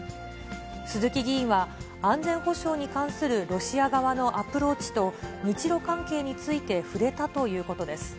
鈴木議員は、安全保障に関するロシア側のアプローチと日ロ関係について触れたということです。